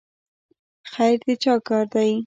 خیر د چا کار دی؟